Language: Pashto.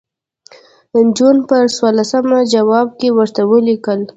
جون پر څوارلسمه جواب کې ورته ولیکل.